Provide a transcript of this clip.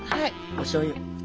おしょうゆ。